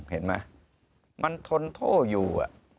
เห็นไหมมันทนโทษอยู่